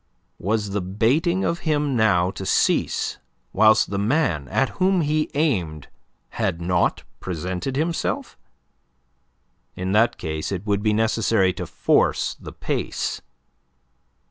Was the baiting of him now to cease whilst the man at whom he aimed had not presented himself? In that case it would be necessary to force the pace!